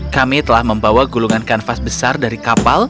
kami telah membawa gulungan kanvas besar dari kapal